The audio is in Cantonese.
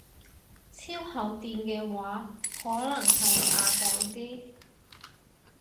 超厚墊嘅話可能係掗掟嘅